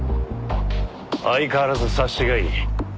相変わらず察しがいい。